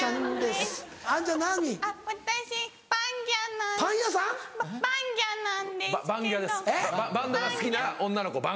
バンドが好きな女の子バンギャ。